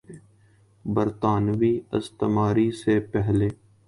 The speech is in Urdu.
برطانوی استعماری سے پہلے